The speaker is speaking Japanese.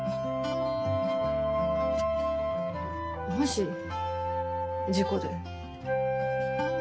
もし事故で。